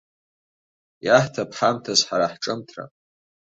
Иаҳҭап ҳамҭас ҳара ҳҿымҭра.